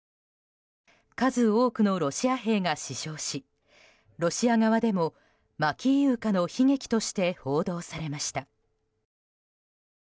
数多くのロシア兵が死傷しロシア側でもマキイウカの悲劇として報道されました。